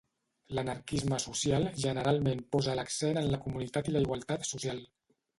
L'anarquisme social generalment posa l'accent en la comunitat i la igualtat social.